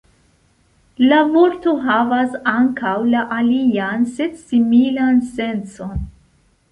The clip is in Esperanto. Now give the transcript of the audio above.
La vorto havas ankaŭ la alian sed similan sencon.